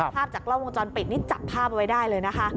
ภาพจากกล้องวงจรปิดนี่จับภาพไว้ได้เลยนะคะ